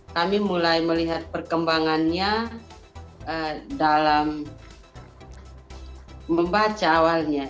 kami mulai melihat perkembangannya dalam membaca awalnya